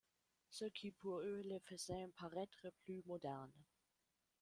Ce qui pour eux les faisaient paraître plus moderne.